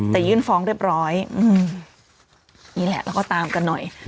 แต่ยื่นฟ้องเรียบร้อยนี่แหละแล้วก็ตามกันหน่อย